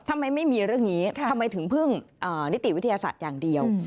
ทำไมไม่มีเรื่องนี้ทำไมถึงพึ่งนิติวิทยาศาสตร์อย่างเดียว